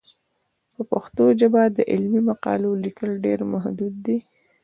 په پښتو ژبه د علمي مقالو لیکل ډېر محدود دي.